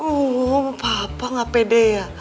oh papa gak pede ya